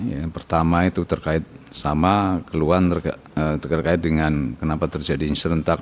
yang pertama itu terkait sama keluhan terkait dengan kenapa terjadi serentak